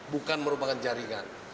bukan merupakan jaringan